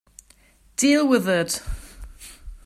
Deal with it!